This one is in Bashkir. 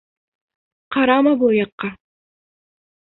Ҡарама был яҡҡа.